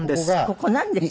ここなんです？